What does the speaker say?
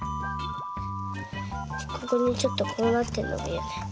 ここにちょっとこうなってんのがいや。